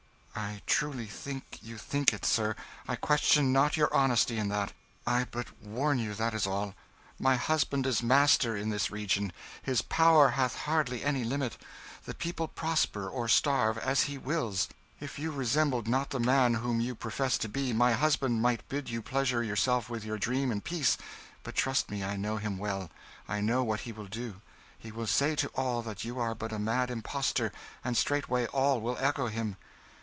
"I truly think you think it, sir. I question not your honesty in that; I but warn you, that is all. My husband is master in this region; his power hath hardly any limit; the people prosper or starve, as he wills. If you resembled not the man whom you profess to be, my husband might bid you pleasure yourself with your dream in peace; but trust me, I know him well; I know what he will do; he will say to all that you are but a mad impostor, and straightway all will echo him."